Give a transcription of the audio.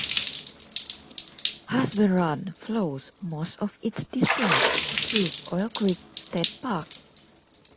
Husband Run flows most of its distance through Oil Creek State Park.